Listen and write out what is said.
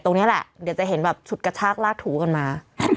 ตรงนี้แหละเดี๋ยวจะเห็นแบบฉุดกระชากลากถูกันมา